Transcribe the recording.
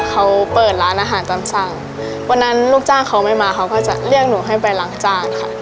เขาเปิดร้านอาหารตามสั่งวันนั้นลูกจ้างเขาไม่มาเขาก็จะเรียกหนูให้ไปล้างจานค่ะ